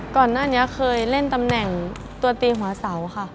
ก่อนหน้านี้เคยเล่นตำแหน่งตัวตีหัวเสาค่ะ